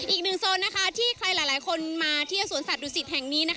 อีกหนึ่งโซนที่ใครหลายคนมาเที่ยวสวนสัตว์ดุสิตแห่งนี้